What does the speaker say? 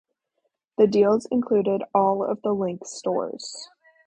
The deal included all of The Link's stores.